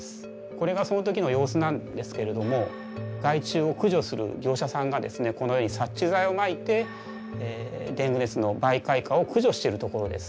これがその時の様子なんですけれども害虫を駆除する業者さんがですねこのように殺虫剤をまいてデング熱の媒介蚊を駆除しているところです。